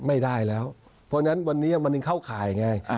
ไม่ได้แล้วเพราะฉงั้นวันนี้ยังมาตรีเข้าข่ายไง